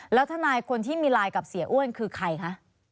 แล้วทนายคนที่มีไลน์กับเสียอ้วนคือใครคะ